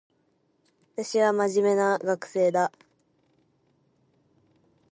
私は真面目な学生だ